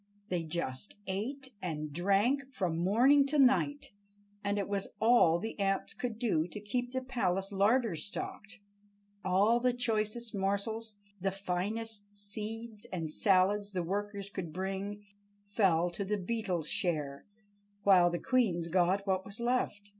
They just ate and drank from morning to night, and it was all the ants could do to keep the palace larder stocked. All the choicest morsels, the finest seeds and salads the workers could bring fell to the Beetles' share, while the queens got what was left.